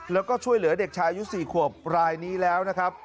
แล้วก็ช่วยเหลือเด็กชายอายุ๔ขวบรายนี้แล้วนะครับ